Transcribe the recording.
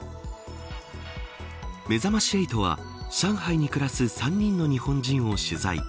めざまし８は、上海に暮らす３人の日本人を取材。